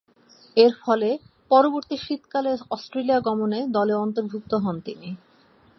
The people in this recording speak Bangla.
এরফলে, পরবর্তী শীতকালে অস্ট্রেলিয়া গমনে দলে অন্তর্ভুক্ত হন তিনি।